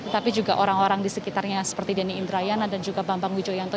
tapi juga orang orang di sekitarnya seperti denny indrayana dan juga bambang wijoyanto